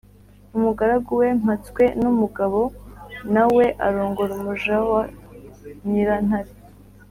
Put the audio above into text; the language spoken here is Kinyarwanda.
umugaragu we mpatswenumugabo na we arongora umuja wa nyirantare,